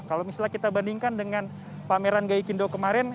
kalau misalnya kita bandingkan dengan pameran gai kindo kemarin